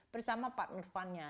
bersama partner fundnya